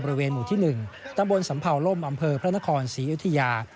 บริเวณหมู่ที่๑ตำบลสำเภาล่มอำเภอพระนครศรีอยุธยา